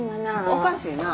おかしいな。